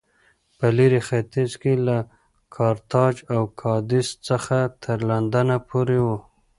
په لېرې ختیځ کې له کارتاج او کادېس څخه تر لندنه پورې و